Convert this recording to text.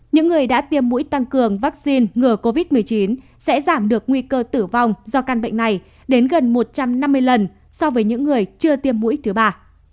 những người đã tiêm mũi tăng cường vaccine ngừa covid một mươi chín sẽ giảm được nguy cơ tử vong do căn bệnh này đến gần một trăm năm mươi lần so với những người chưa tiêm mũi thứ ba